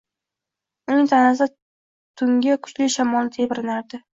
Uning tanasi tungi kuchli shamolda tebranardi